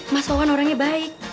mas wawan orangnya baik